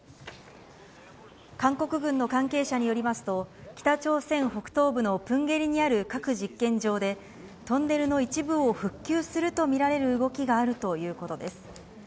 韓国軍の関係者によりますと、北朝鮮北東部のプンゲリにある核実験場で、トンネルの一部を復旧すると見られる動きがあるということです。